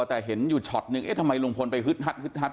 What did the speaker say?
แต่เห็นอยู่ช็อตนึงเอ๊ะทำไมลุงพลไปฮึดฮัด